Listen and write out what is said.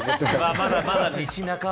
まだまだ道半ば。